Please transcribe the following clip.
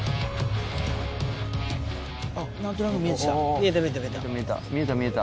あっ何となく見えてきた。